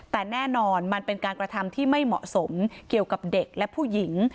แต่แน่นอนมันเป็นการกระทำที่ไม่เหมาะสมเกี่ยวกับเด็กและผู้หญิง